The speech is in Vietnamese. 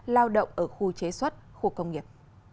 lao động ở khu chế xuất khu công nghiệp